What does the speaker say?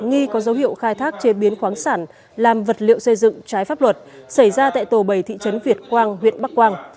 nghi có dấu hiệu khai thác chế biến khoáng sản làm vật liệu xây dựng trái pháp luật xảy ra tại tổ bầy thị trấn việt quang huyện bắc quang